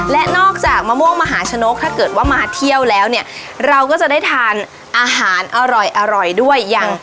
และนอกจากมะม่วงมหาชนกถ้าเกิดว่ามาเที่ยวแล้วเนี่ยเราก็จะได้ทานอาหารอร่อยอร่อยด้วยอย่าง